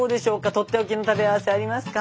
とっておきの「食べ合わせ」ありますか？